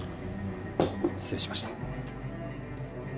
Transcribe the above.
失礼しました